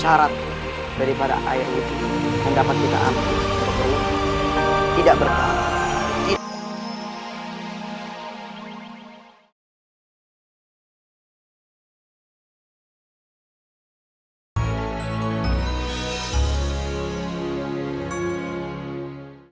syarat daripada air suci yang dapat kita amati untuk berhudu tidak berkala